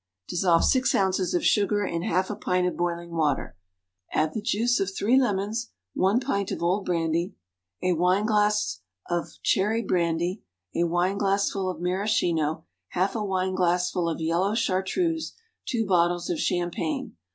Dissolve six ounces of sugar in half a pint of boiling water; add the juice of three lemons, one pint of old brandy, a wine glassful of cherry brandy, a wine glassful of maraschino, half a wine glassful of yellow chartreuse, two bottles of champagne.